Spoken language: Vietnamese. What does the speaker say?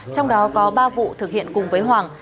trong đó có ba vụ thực hiện cùng với hoàng